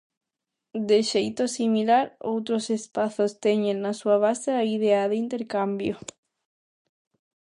De xeito similar, outros espazos teñen na súa base a idea de intercambio.